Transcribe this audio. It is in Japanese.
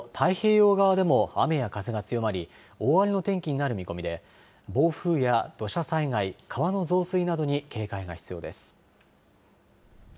日本海側に加え関東や東海など、太平洋側でも雨や風が強まり大荒れの天気になる見込みで暴風や土砂災害川の増水などに警戒が必要です。